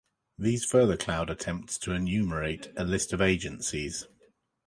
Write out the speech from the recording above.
These further cloud attempts to enumerate a list of agencies.